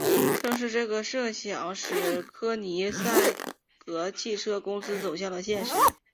正是这个设想使柯尼塞格汽车公司走向了现实。